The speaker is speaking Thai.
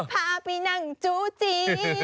พาไปนั่งจูจี